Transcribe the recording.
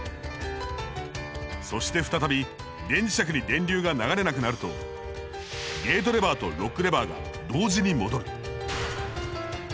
そして再び電磁石に電流が流れなくなるとゲートレバーとロックレバーが同時に戻る。